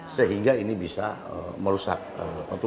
sehingga ini bisa merusak